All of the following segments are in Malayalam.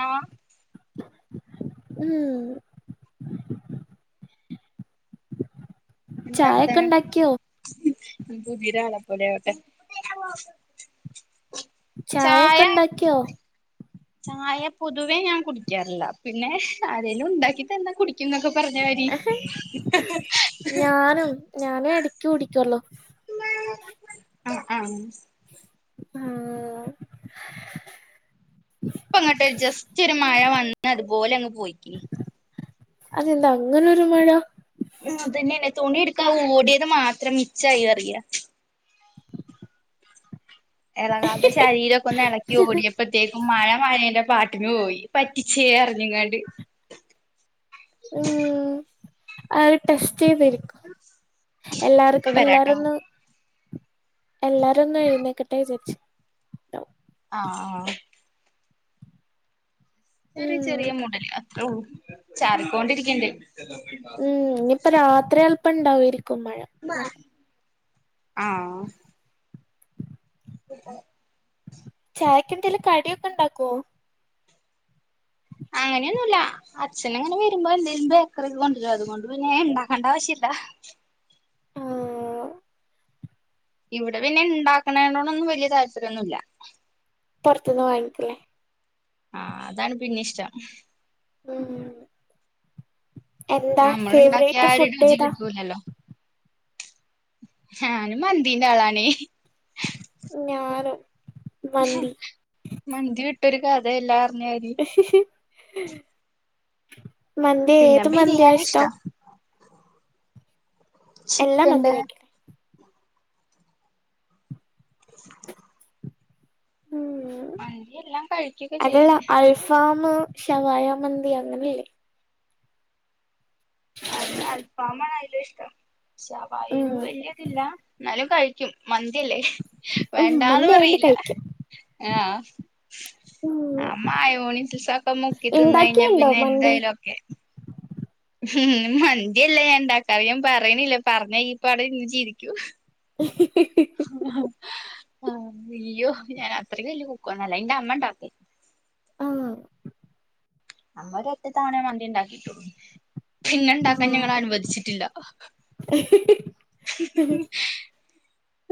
ആ ഹമ് എന്താ ചായൊക്കെ വർത്താനം. ഉണ്ടാക്കിയോ പുതിരാളെ പോലെ ആവട്ടെ. ചായ ചായൊക്കെ ണ്ടാക്ക്യോ ചായ പൊതുവേ ഞാൻ കുടിക്കാറില്ല. പിന്നെ ആരെലും ഉണ്ടാക്കി തന്നെ കുടി. ക്കുംന്നൊക്കെ പറഞ്ഞമരി. ഞാനും ഞാനും എടക്ക കുടിക്കൊള്ളു. ആഹ് ആഹ്. ആഹ്. ഇപ്പ അങ്ങോട്ടൊരു ജസ്റ്റ് ഒരു മഴ വന്ന് അതുപോലെ അങ്ങ് പോയിക്കി. അതെന്ത അങ്ങനൊരു മഴ. ഉംഹ് അതന്നെന തുണി ഇടുക്കാൻ ഓടിയത് മാത്രം മിച്ചായി പറിയ. ഇളങ്ങാതെ ശരീരൊക്കെ ഒന്ന് ഇളക്കി ഓടിയപ്പോ. പ്പത്തേക്കും മഴ മായേന്റെ പാട്ടിനു പോയി പറ്റിച്ചേന്നറ്ഞ്ഞ്ങ്ങാണ്ട്. ഉം അത് ടെസ്റ്റ് ചെയ്തര്ക്കും എല്ലാർ ഇപ്പ എല്ലാര് വരാട്ടോ ഒന്ന്. എല്ലാരൊന്ന് എഴുന്നേക്കട്ടെ വിചാരിച്ച്. ആഹ് ആഹ്. ന്നൊരു ഉം ചെറിയ മൂടല് അത്ര ള്ളു ചാറിക്കൊണ്ടിരിക്ക്ണ്ട്. ഉംഹ് ഇനിപ്പ രാത്രി അല്പ്പം ഉണ്ടാവേരിക്കും മഴ. മ്മ ആഹ്. [unintelligible] ചായക്ക്ന്തേലും കടിയൊക്കെ ഉണ്ടാക്കുവോ? അങ്ങനെയൊന്നുല്ല. അച്ഛന് അങ്ങനെ വരുമ്പോ എന്തേങ്കിലും ബേക്കറി കൊണ്ട്രും അതുകൊണ്ട് പിന്നെ ഉണ്ടാക്കേണ്ട ആവശ്യമില്ല. ആഹ് ഇവിടെ പിന്നെ ഉണ്ടാക്കണേണൊന്നും വല്ല്യ താല്പര്യന്നുല്ല. പൊറത്തുന്ന് വാങ്ങിക്കല. ആഹ് അതാണ് പിന്നെ ഇഷ്ടം. ഉംഹ് എന്താ നമ്മൾ ഇണ്ടാക്കിയ ഫേവറേറ്റ് ആ ഒരു ഫുഡ് രുചി ഏതാ? കിട്ടൂലല്ലോ ഞാന് മന്തിന്റെ ആളാണേ. ഞാനും മന്തി. മന്തി വിട്ടൊരു കഥല്ലാ പറിഞ്ഞാരി. മന്തിയ പിന്നെ ഏത് മന്തിയാ ബിരിയാണി ഇഷ്ടം. ഇഷ്ടാ എല്ലാ മന്തി ചിക്കന്റെ കഴിക്കും ഉം മന്തി എല്ലാം കഴിക്കൊക്കെ അതല്ല ചെയ്യും അൽഫാം ഷവായ മന്തി അങ്ങനെല്ലേ അല്ല അൽഫാമാണ് അയില് ഇഷ്ടം ഷവായ ഉം വല്യ ഇത് ഇല്ല ഇന്നാലും കഴിക്കും മന്തിയല്ലേ ഉം വേണ്ടാന്ന് മന്തി ആയോണ്ട് പറയില്ല കഴിക്കും ആഹ് ഉം ആ മായോണിസ് ഒക്കെ മുക്കി തിന്ന് കഴിഞ്ഞ ഇണ്ടാക്കിയുണ്ടോ പിന്നെ മന്തി എന്തായാലും ഒക്കെ ഉം മന്തിയല്ല ഞാൻ ഇണ്ടാക്കാറ് ഞാൻ പറയണില്ല പറഞ്ഞ ഇയ് പട് ഇരുന്ന് ചിരിക്കും [unintelligible] അയ്യോ ഞാൻ അത്രക്ക്‌ വല്യ കുക്കോന്നല്ല എന്റെ അമ്മ ഇണ്ടാക്കും ആഹ് നമ്മള് ഒരറ്റത്തവണേ മന്തി ണ്ടാക്കിട്ടൊള്ളു. പിന്നെ ണ്ടാക്കാൻ ആഹ് ഞങ്ങൾ അനുവദിച്ചിട്ടില്ല.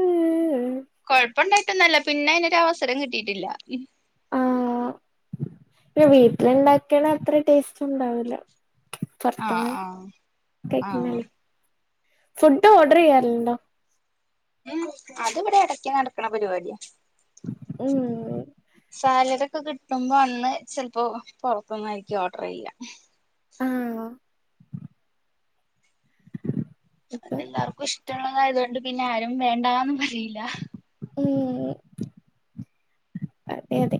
ഉം കൊഴപ്പണ്ടായിട്ടൊന്നല്ല പിന്നെ അയ്നൊരു അവസരം കിട്ടിയിട്ടില്ല. ആഹ് പിന്നെ വീട്ടിലുണ്ടാക്ക്ണ അത്ര ടേസ്റ്റ് ണ്ടാവൂല്ല. പൊർത് ആഹ് ന്ന് ആഹ് ആഹ് കഴ്ക്കുന്നല്ലേ ഫുഡ് ഓർഡർ ചെയ്യാർൽണ്ടോ? ഉം അത് വടെ എടക്ക് നടക്ക്ണ പരിപാടിയാ. ഉംഹ്. സാലറി ഒക്കെ കിട്ടുമ്പോ അന്ന് ചെൽപ്പോ പൊറ്ത്ത്ന്നായിരിക്കും ഓർഡറയ്യാ. ആഹോ അതെല്ലാർക്കും ഇഷ്ടള്ളതായതോണ്ട് പിന്നാരും വേണ്ടാന്നും പറീല്ലാ. ഉം അതെ അതെ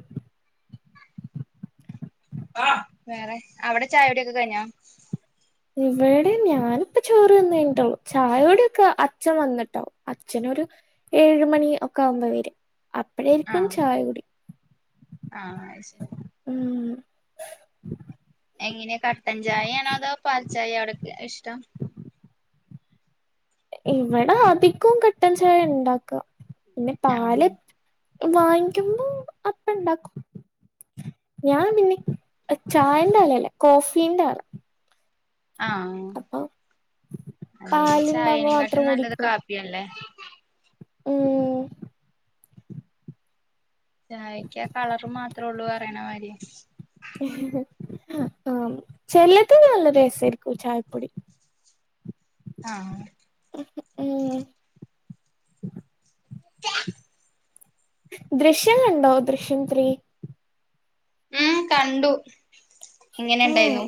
വേറെ അവിടെ ചായുടി ഒക്കെ കഴിഞ്ഞോ? ഇവടെ ഞാനിപ്പ ചോറ് തിന്ന് കഴിഞ്ഞിട്ടൊള്ളു. ചായുടിയൊക്കെ അച്ഛൻ വന്നിട്ടാവും. അച്ഛനൊരു ഏഴ്‌ മണി ഒക്കെ ആകുമ്പോ വെരും അപ്പഴായിരിക്കും ആഹ് ചായ കുടി. ആഹ് അഹ് ശരി ഉം എങ്ങനെ കട്ടൻചായാണോ അതോ പാൽച്ചായോ അവിടക്ക് ഇഷ്ടം? ഇവടെ അധികും കട്ടൻ ചായ ഇണ്ടാക്ക. പിന്നെ പാല് ആഹ് വാങ്ങിക്കുമ്പോ അപ്പ ണ്ടാക്കും. ഞാൻ പിന്നെ ചായന്റെ ആലല്ല കോഫീന്റെ ആളാ. ആഹ് അപ്പൊ അല്ലേലും പാലുണ്ടാവുമ്പോ മാത്രം ചായേനെംകാട്ടിലും നല്ലത് കുടിക്കുള്ളൂ കാപ്പിയാണ്ല്ലേ. ഉം ചായക്ക് ആ കളർ മാത്രൊള്ളൂ പറയണ മാരി. ആം ചെലത് നല്ല രസായിരിക്കും ചായപ്പൊടി. ആഹ് ഉം [unintelligible] ദൃശ്യം കണ്ടോ ദൃശ്യം ത്രീ? ഉം കണ്ടു. ആഹ് എങ്ങനെണ്ടായിന്നു?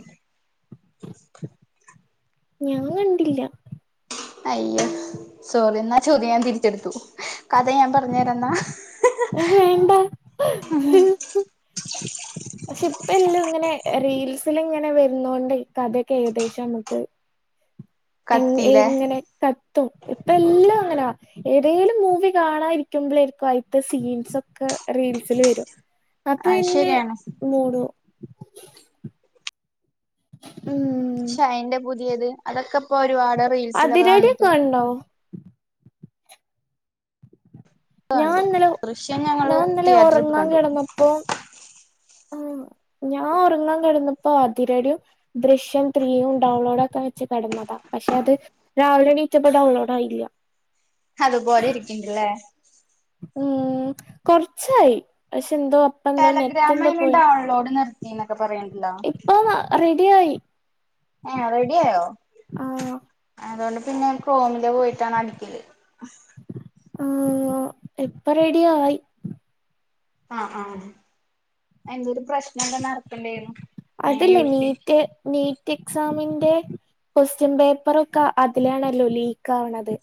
ഞാൻ കണ്ടില്ല അയ്യോ സോറി ന്നാ ചോദ്യം ഞാൻ തിരിച്ചെടുത്തു കഥ ഞാൻ പറഞ്ഞു തരാം ന്നാ. വേണ്ട [unintelligible] പക്ഷേ ഇപ്പം എല്ലും ഇങ്ങനെ റീൽസിൽ ഇങ്ങനെ വരുന്നോണ്ടെ കഥയൊക്കെ ഏകദേശം നമുക്ക് എങ് കത്തില്ലേ എങ്ങനെ കത്തും ഇപ്പം എല്ലും അങ്ങനാ. ഏതേലും മൂവി കാണാ ഇരിക്കുമ്പളേര്ക്കും അയിത്തെ സീൻസ് ഒക്കെ റീൽസിൽ വരും. ആ അപന്നെ ശരിയാണ് മൂഡോവും. ഉം ക്ഷെ യിന്റെ പുതിയത് അതൊക്കെ ഇപ്പോ ഒരുപാട് റീൽസിലൊക്കെ അതിരടിയൊക്കെ വന്നിട്ട് കണ്ടോ ഞാൻ കണ്ടു ഇന്നലെ ദൃശ്യം ഞങ്ങള് ഞാൻ ഇന്നലെ തിയേറ്ററിൽ ഒറങ്ങാൻ കണ്ടു കിടന്നപ്പോം ആഹ് ഞാൻ ഒറങ്ങാൻ കിടന്നപ്പോ അതിരടിയും ദൃശ്യം ത്രീയും ഡൗൺലോഡ് ആക്കാൻ വെച്ച് കടന്നതാ. പക്ഷെ അത് രാവിലെണീറ്റപ്പം ഡൗൺലോഡ് ആയില്ല. അത് പോലെ ഇരിക്കിണ്ട് ലേ. ഉം കൊർച്ചായി പക്ഷെ എന്തോ എന്തോ നെറ്റ് ടെലഗ്രാം എന്തോ അയിന് പോയിണ്ട് ഡൗൺലോഡ് നിർത്തി എന്നൊക്കെ പറയണ്ടല്ലോ? ഇപ്പൊ റെഡിയായി. ഏഹ് റെഡിയായോ ആഹ് അതുകൊണ്ട് പിന്നെ ക്രോമില് പോയിട്ടാണ് അടിക്കല്. ആഹ് എപ്പൊ റെഡി ആയി. ആഹ് ആഹ് എന്തൊരു പ്രശ്നം ഇവിടെ നടക്കണുണ്ടായിരുന്നു. അതില്ലേ നീറ്റ് നീറ്റ് എക്സാമിന്റെ. കൊസ്റ്റ്യൻ പേപ്പറൊക്കെ അതിലാണല്ലോ ലീക്ക് ആവണത്.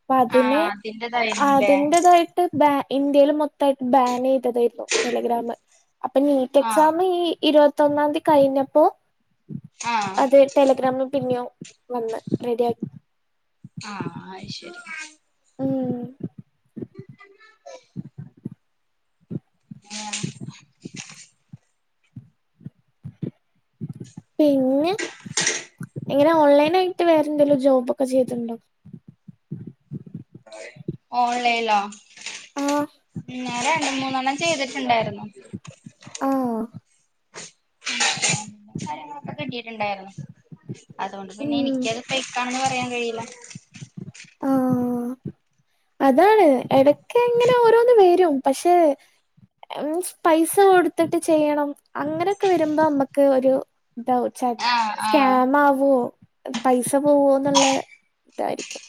അപ്പ ആ അതിനെ അതിന്റെതായിരുന്നുല്ലേ അതിന്റതായിട്ട് ബാ ഇന്ത്യയിൽ മൊത്തമായിട്ട് ബാൻ ചെയ്തതായിരുന്നു. ടെലഗ്രാമ് അപ്പൊ നീറ്റ് ആഹ് എക്സാം ഈ ഇരുപത്തൊന്നാം തീയതി കഴിഞ്ഞപ്പോ ആഹ് അത് ടെലഗ്രാമും പിന്നെയും വന്ന് റെഡി ആക്കി. ആഹ് ശരി. ഉം. [unintelligible] പിന്നെ. ഇങ്ങനെ ഓൺലൈൻ ആയിട്ട് വേറെന്തേങ്കിലും ജോബ് ഒക്കെ ചെയ്തിട്ടുണ്ടോ? ഓൺലൈനിലോ? ആഹ് ഉം ഞാൻ രണ്ടു മൂന്നെണ്ണം ചെയ്തിട്ടുണ്ടായിരുന്നു. ആഹ് കാര്യങ്ങളൊക്കെ കിട്ടിയിട്ടുണ്ടായിരുന്നു അതുകൊണ്ട് പിന്നെ ഉം എനിക്ക് അത്. ഫേയ്ക്കാണെന്ന് പറയാൻ കഴിയില്ല. ആഹ്. അതാണ് ഇടക്ക് ഇങ്ങനെ ഓരോന്ന് വരും പക്ഷെ. മീൻസ് പൈസ കൊടുത്തിട്ട് ചെയ്യണം അങ്ങനെയൊക്കെ വരുമ്പോ നമ്മുക്ക് ഒരു. ഇതാവും ചട് ആഹ് ആഹ് സ്കാമ് ആകുവോ പൈസ പോവോന്നുള്ള ഇതായിരിക്കും.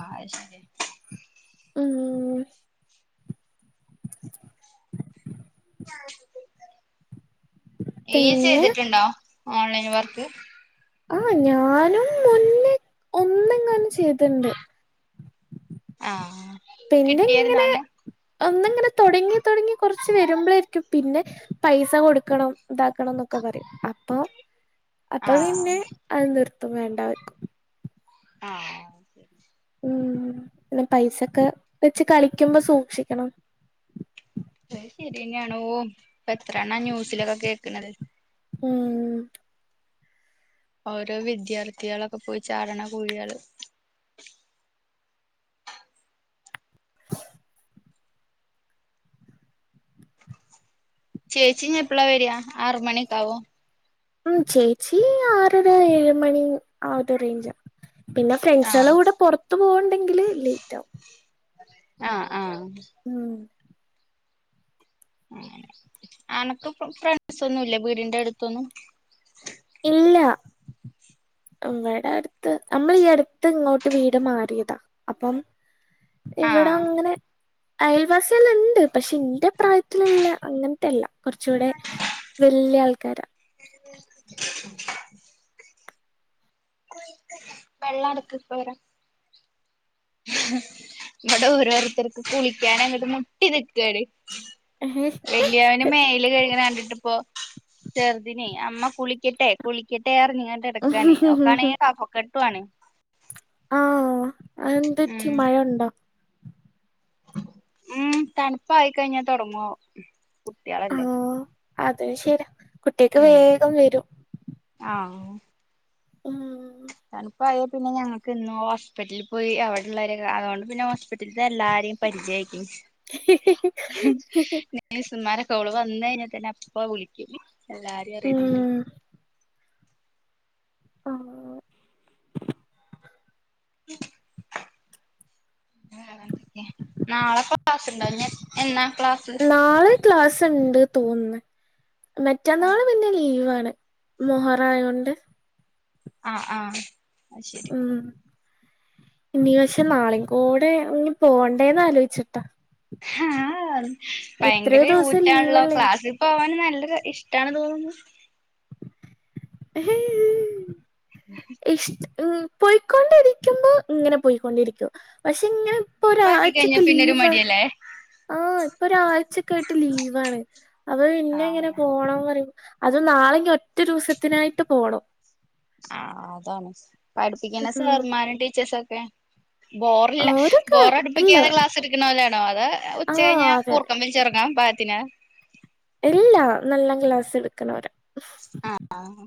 ആയ് ശരി. ഉം. ഈയ് പിന്നെ ചെയ്തിട്ടുണ്ടോ ഓൺലൈൻ വർക്ക്? ആഹ് ഞാനും മുന്നേ ഒന്ന് എങ്ങാനം ചെയ്തിണ്ട്. ആഹ് പിന്നെ കിട്ടിയായിരുന്നോ ഇങ്ങനെ അന്ന് ഒന്നിങ്ങനെ തുടങ്ങി തുടങ്ങി കുറച്ച് വരുമ്പോഴായിരിക്കും പിന്നെ. പൈസ കൊടുക്കണം ഇതാക്കണം എന്നൊക്കെ പറയും അപ്പൊ അപ്പൊ ആഹ് പിന്നെ അത് നിർത്തും വേണ്ട വെക്കും. ആഹ് ശരി. ഉം പിന്നെ പൈസൊക്കെ വെച്ച് കളിക്കുമ്പോ സൂക്ഷിക്കണം. അത് ശരിയന്നെയാണോ ഇപ്പ എത്ര എണ്ണ ന്യൂസിലൊക്കെ കേൾക്കണത്. ഉം. ഓരോ വിദ്യാർത്ഥികളൊക്കെ പോയി ചാടണ കുഴികള്. ചേച്ചി ഇനി എപ്പളാ വരിയാ ആറ് മണി ഒക്കെയാവുമോ? ഉം ചേച്ചി ആറ് അര ഏഴ് മണി ആഹ് ഒരു റേഞ്ചാ. പിന്നെ ഫ്രണ്ട്സുകളുടെ ആഹ് കൂടെ പുറത്തു പോകു ഉണ്ടെങ്കില് ലേറ്റ് ആകും. ആഹ് ആഹ്. ഉം. ആനക്ക് ഫ്രണ്ട്സ് ഒന്നും ഇല്ലേ വീടിന്റെ അടുത്തൊന്നും. ഇല്ല. വിടെ അടുത്ത് നമ്മൾ ഈ അടുത്ത് ഇങ്ങോട്ട് വീട് മാറിയതാ. അപ്പം ഇവിടെ ആഹ് അങ്ങനെ അയൽവാസിള് ഇണ്ട്. പക്ഷെ ഇന്റെ പ്രായത്തി വട്ടല്ല അങ്ങനത്തെ അല്ല കുറച്ചുകൂടെ വലിയ ആൾക്കാരാ. [inaudible] വെള്ളം അട്ക്ക് നോരാ ഇവിടെ ഓരോരുത്തർക്ക് കുളിക്കാന് അങ്ങട്ട് മുട്ടി നിക്കാണ്. വള്ളിയ മേൽ കഴക്ണ് കട്ണ്ടിട്ടിപ്പോ ചെറുതിനെ അമ്മ കുളിക്കട്ടെ കുളിക്കട്ടെ അറിഞ്ഞങ്ങട്. എടക്കാണ് ഒക്കാണെങ്കിൽകഫക്കെട്ടുണ്. ആഹ എന്ത്പറ്റി ഉം മഴ കോണ്ടോ? ഉം തണുപ്പായി കഴിഞ്ഞ തുടങ്ങു. ആ അതെ ശരിയ കുട്ടികക്ക് വേഗം വരും. ആഹ ഉം തണുപ്പ് അയ പിന്നെ ഞങ്ങൾക്ക് എനും ഹോസ്പിറ്റലിൽ പോയി അവിടെള്ളവരെ അതുകൊണ്ട് പിന്നെ ഹോസ്പിറ്റലിൽ എല്ലാരിം.. പരിചയക്ക്ണ്. [inaudible] നേഴ്സുമാരൊക്കെ അവള് വന്ന് കഴിഞ്ഞാൽ തന്നെ അപ്പ വിളിക്കും. എല്ലാരും അറിയണോണ്ട്. ഉം ആഹ് നാളെ ക്ലാസ്ണ്ടാ എന്നാ ക്ലാസ്സ്. ക്ലാസ്സ് ഉണ്ട് തോന്ന് മറ്റന്നാള് പിന്നെ ലീവാണ്. മുഹറാംഅയോണ്ട്. ആ ആ ശരി ഉം ഇനി പക്ഷെ നാളിം കൂടെ പോകണ്ടേന്ന് ആലോചിച്ചിട്ടാ. ആഹ എത്രയോ ഭയങ്കര ദിവസം ഊറ്റാണല്ലോ ലീവല്ലേനോ ക്ലാസ്. പോവാന് നല്ലൊ ഇഷ്ട് തോന്നുന്നു. ഹേ ഇഷ ഉ പോയിക്കൊണ്ടിരിക്കുമ്പോ ഇങ്ങനെ പോയിക്കൊണ്ടിരിക്കും. പക്ഷെ ഇങ്ങനെ ലീവാക്കി കഴിഞ്ഞാ ഒരാഴ്ചക്ക് പിന്നെ ഒരു ലീവാണ്. മടിയല്ലേ ആഹ ഇപ്പൊ ഒരാഴ്ചക്ക ആയിട്ട് ലീവാണ് അപം പിന്നെ ഇങ്ങനെ ആഹ് പോണംന്ന് പറയുംപോ. അതും നാളെ ഇഞ്ഞ്ഒറ്റ ദിവസത്തിനായിട്ട് പോകണം. ആ അതാണ് പഠിപ്പിക്കുന്ന ഉം സർമാനും ടീച്ചേഴ്സൊക്കെ. ബോറില്ല ഓരൊക്കെ അല്ല ബോറടുപ്പിക്കാതെ ക്ലാസ് എടുക്കണലാണോ. അത് ഉച്ച ആ കഴിഞ്ഞ അതെ അതെ കുർക്കം വലിച്ചിഉറങ്ങാം പായത്തിന്. ഇല്ല നല്ല ക്ലാസ്സ് എടുക്ക്ണോര. ആഹ് ആഹ്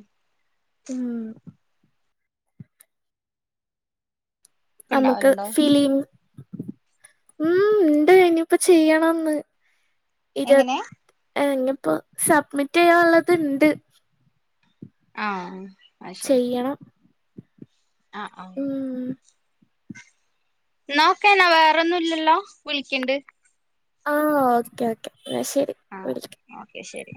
ഉം ഒക്കെ നമുക്ക് ഉണ്ടാവലുണ്ടോ ഫിലിം ഉം ഉണ്ട് ഇനിയിപ്പ ചെയ്യണംന്ന് ഇരു എങ്ങനെ ഇങ്ങിപ്പോ സബ്മിറ്റ് ചെയ്യാനുള്ളത് ഇണ്ട്. ആഹ് ചെയ്യണം. ആ ആഹ്. ഉം എന്നോക്കേ എന്നാ. വേറെൊന്നും ഇല്ലല്ലോ? വിളിക്കണ്ട് ആഹ് ഓക്കേ ഓക്കേ എന്നാ ശരി. ആഹ് വിളിക്കാം ഓക്കെ ശരി